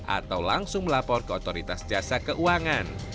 atau langsung melapor ke otoritas jasa keuangan